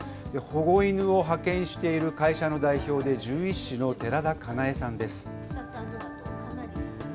保護犬を派遣している会社の代表で獣医師の寺田かなえさんです。